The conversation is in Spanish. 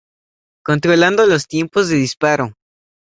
Controlando los tiempos de disparo.